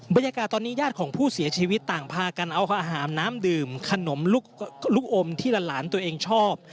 บรรยากาศตอนนี้ญาติของผู้เสียชีวิตต่างพากันเอาอาหารน้ำดื่มขนมลูกอมที่หลานตัวเองชอบ